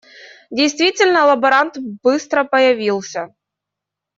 Действительно лаборант быстро появился.